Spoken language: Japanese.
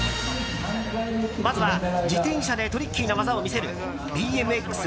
まずは自転車でトリッキーな技を見せるＢＭＸ